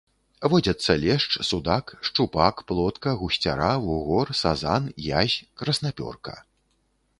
Водзяцца лешч, судак, шчупак, плотка, гусцяра, вугор, сазан, язь, краснапёрка.